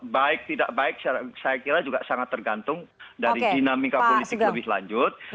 baik tidak baik saya kira juga sangat tergantung dari dinamika politik lebih lanjut